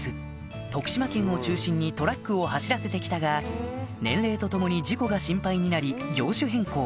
徳島県を中心にトラックを走らせてきたが年齢とともに事故が心配になり業種変更